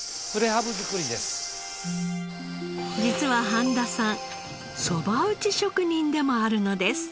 実は半田さんそば打ち職人でもあるのです。